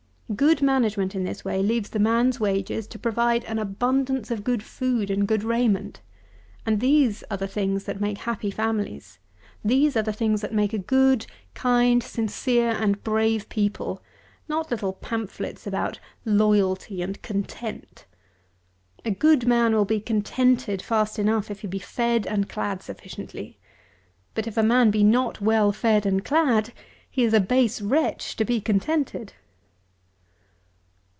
Good management in this way leaves the man's wages to provide an abundance of good food and good raiment; and these are the things that make happy families; these are the things that make a good, kind, sincere, and brave people; not little pamphlets about "loyalty" and "content." A good man will be contented fast enough, if he be fed and clad sufficiently; but if a man be not well fed and clad, he is a base wretch to be contented.